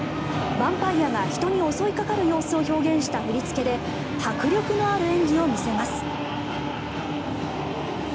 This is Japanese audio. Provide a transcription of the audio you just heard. バンパイアが人に襲いかかる様子を表現した振り付けで迫力のある演技を見せます。